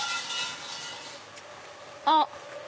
あっ！